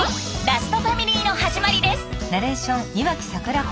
ラストファミリー」の始まりです。